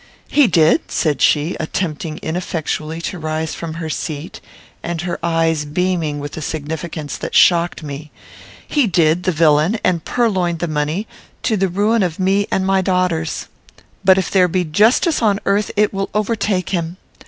"He did," said she, attempting ineffectually to rise from her seat, and her eyes beaming with a significance that shocked me; "he did, the villain, and purloined the money, to the ruin of me and my daughters. But if there be justice on earth it will overtake him.